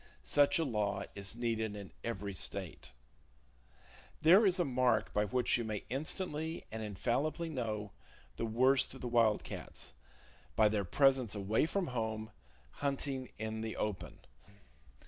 Such a law is needed in every state! There is a mark by which you may instantly and infallibly know the worst of the wild cats—by their presence away from home, hunting in the open.